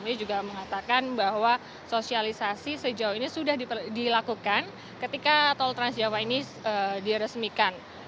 mereka juga mengatakan bahwa sosialisasi sejauh ini sudah dilakukan ketika tol transjava ini diresmikan